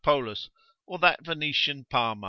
Polus, or that Venetian Palma.